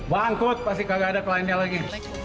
bangkut pasti nggak ada kliennya lagi